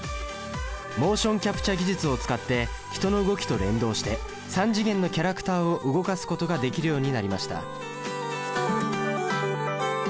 モーションキャプチャ技術を使って人の動きと連動して３次元のキャラクターを動かすことができるようになりました。